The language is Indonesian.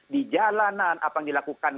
di jalanan apa yang dilakukan